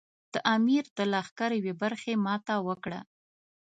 د امیر د لښکر یوې برخې ماته وکړه.